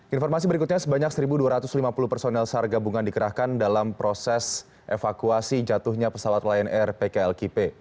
informasi berikutnya sebanyak satu dua ratus lima puluh personel sar gabungan dikerahkan dalam proses evakuasi jatuhnya pesawat lion air pklkp